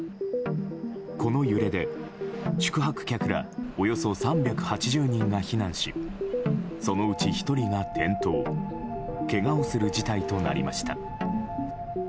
この揺れで宿泊客らおよそ３８０人が避難しそのうち１人が転倒けがをする事態となりました。